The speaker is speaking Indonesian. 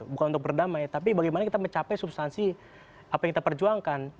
bukan untuk berdamai tapi bagaimana kita mencapai substansi apa yang kita perjuangkan